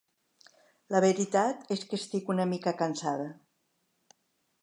La veritat és que estic una mica cansada.